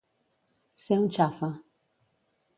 Ser un xafa.